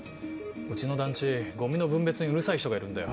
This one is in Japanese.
うちの団地ゴミの分別にうるさい人がいるんだよ。